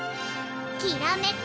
きらめく